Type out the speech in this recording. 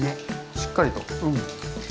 しっかりと。